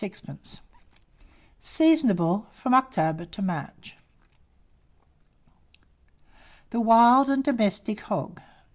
Seasonable from October to March. THE WILD AND DOMESTIC HOG.